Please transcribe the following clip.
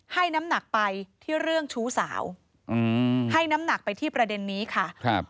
ให้น้ำหนักไปที่เรื่องชู้สาวอืมให้น้ำหนักไปที่ประเด็นนี้ค่ะครับ